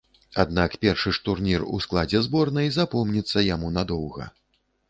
Аднак першы ж турнір у складзе зборнай запомніцца яму надоўга.